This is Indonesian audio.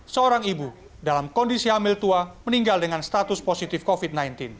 seorang ibu dalam kondisi hamil tua meninggal dengan status positif covid sembilan belas